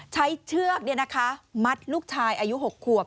ใช้เชือกเนี่ยนะคะมัดลูกชายอายุ๖ควบ